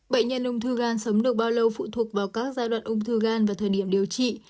bệnh nhân ung thư gan sống được bao lâu phụ thuộc vào các giai đoạn ung thư gan và thời điểm điều trị